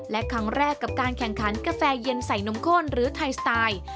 และครั้งแรกกับการแข่งขันกาแฟเย็นใส่นมข้นหรือไทยสไตล์